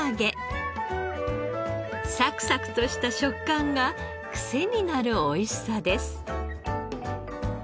サクサクとした食感がクセになるおいしさです。